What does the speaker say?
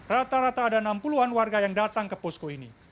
rata rata ada enam puluh an warga yang datang ke posko ini